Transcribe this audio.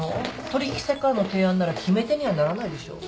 取引先からの提案なら決め手にはならないでしょ。